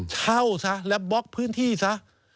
เช่าซะแล้วบล็อกพื้นที่ซะ